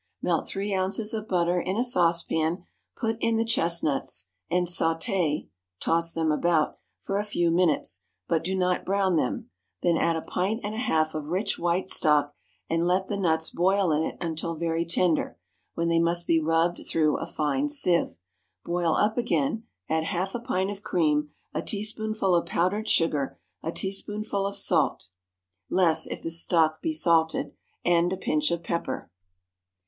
Melt three ounces of butter in a saucepan, put in the chestnuts, and sauté (toss them about) for a few minutes, but do not brown them; then add a pint and a half of rich white stock, and let the nuts boil in it until very tender, when they must be rubbed through a fine sieve. Boil up again, add half a pint of cream, a teaspoonful of powdered sugar, a teaspoonful of salt (less if the stock be salted), and a pinch of pepper.